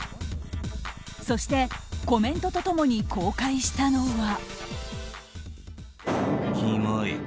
そしてコメントと共に公開したのは。